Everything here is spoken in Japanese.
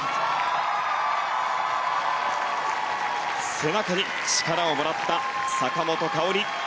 背中に力をもらった坂本花織。